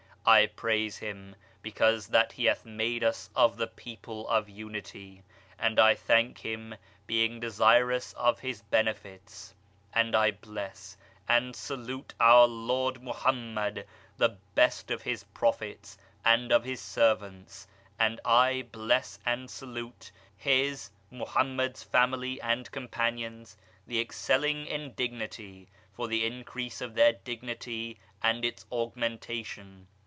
I praise him because that he hath made us of the people of Unity. And I thank him, being desirous of his benefits. And I bless and salute our Lord Mohammed, the best of his Prophets and of his Servants, and (I bless and salute) his (Mohammed's) family and companions, the excelling indignity, for the increase of their dignity and its augmentation.